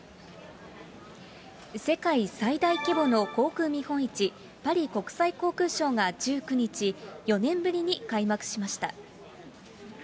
世界最大規模の航空見本市、パリ国際航空ショーが１９日、４年ぶりに開幕しました。